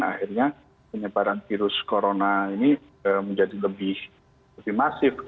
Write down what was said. akhirnya penyebaran virus corona ini menjadi lebih masif